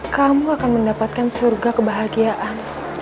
kamu akan mendapatkan surga kebahagiaan